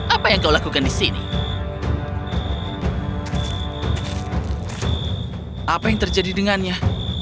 apa yang terjadi dengannya